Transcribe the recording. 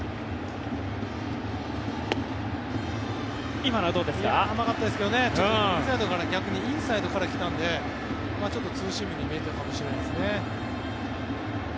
今のは甘かったですけど逆にインサイドから来たのでちょっとツーシームに見えたかもしれないですね。